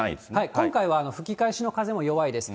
今回は吹き返しの風も弱いです。